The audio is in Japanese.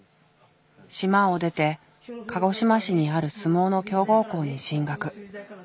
島を出て鹿児島市にある相撲の強豪校に進学。